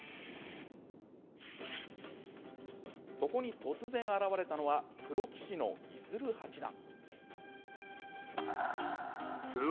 そこに突然現れたのはプロ棋士の伊鶴八段。